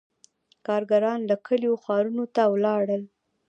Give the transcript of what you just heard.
• کارګران له کلیو ښارونو ته ولاړل.